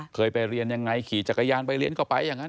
เคยไปเรียนยังไงขี่จักรยานไปเรียนก่อนไป